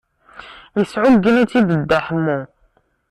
Yesɛuggen-itt-id Dda Ḥemmu.